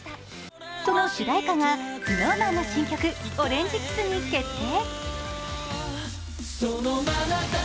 その主題歌がＳｎｏｗＭａｎの新曲「オレンジｋｉｓｓ」に決定。